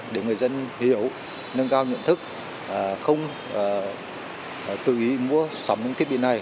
để người dân hiểu nâng cao nhận thức không tự ý mua sắm những thiết bị này